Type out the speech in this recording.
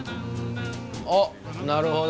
おっなるほど。